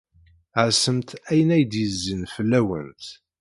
Ɛassemt ayen ay d-yezzin fell-awent.